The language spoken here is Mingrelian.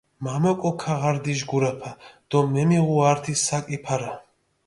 მა მოკო ქაღარდიში გურაფა დო მემიღუ ართი საკი ფარა.